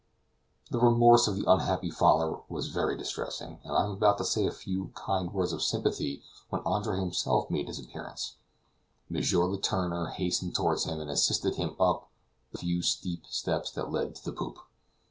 The remorse of the unhappy father was very distressing, and I was about to say a few kind words of sympathy when Andre himself made his appearance. M. Letourneur hastened toward him and assisted him up the few steep steps that led to the poop.